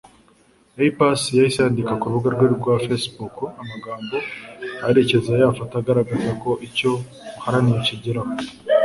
A Pass yahise yandika ku rukuta rwe rwa Facebook amagambo aherekeza ya foto agaragaza ko icyo uharaniye ukigeraho